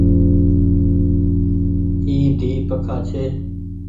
اي ۮي پکآن ڇي